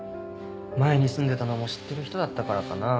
前に住んでたのも知ってる人だったからかな。